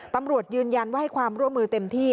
ตำรวจยืนยันว่าให้ความร่วมมือเต็มที่